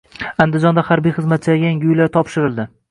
Andijonda harbiy xizmatchilarga yangi uylar topshirildi